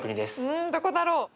うんどこだろう？